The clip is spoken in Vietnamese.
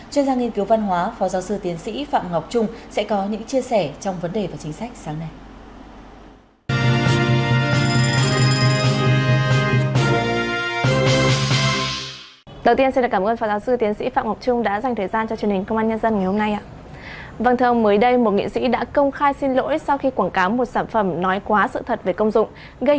chuyên gia nghiên cứu văn hóa phó giáo sư tiến sĩ phạm ngọc trung sẽ có những chia sẻ trong vấn đề và chính sách sáng nay